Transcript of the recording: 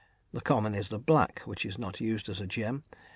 The common is the black, which is not used as a gem.